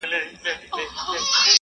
د خلګو سره په نېکۍ چلند وکړئ.